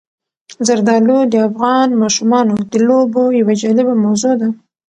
زردالو د افغان ماشومانو د لوبو یوه جالبه موضوع ده.